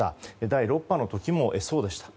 第６波の時もそうでした。